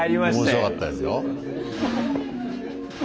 面白かったですよ。